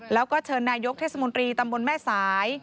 แล้วก็เชิญนายกเทศมนตรีตำบลแม่สาย